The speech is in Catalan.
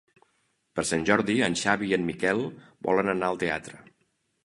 Per Sant Jordi en Xavi i en Miquel volen anar al teatre.